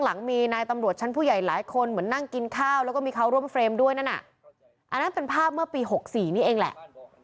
อันนั้นเป็นภาพเมื่อปี๖๔นี่เองแหละ